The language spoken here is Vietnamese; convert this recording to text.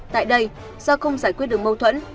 tại đây do không giải quyết được mâu thuẫn